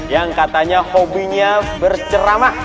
yang katanya hobinya berceramah